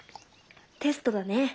テストだね。